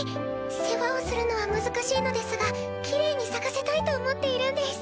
世話をするのは難しいのですがきれいに咲かせたいと思っているんです。